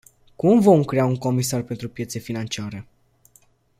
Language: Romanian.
Cum vom crea un comisar pentru piețe financiare?